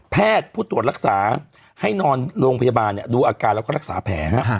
แพทย์ผู้ตรวจรักษาให้นอนโรงพยาบาลดูอาการแล้วก็รักษาแผล